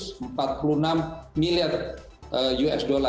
sebesar satu ratus empat puluh enam miliar usd